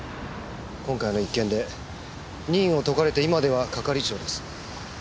今回の一件で任を解かれて今では係長です。